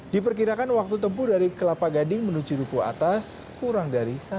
diperkirakan waktu tempuh dari kelapa gading menuju duku atas kurang dari satu jam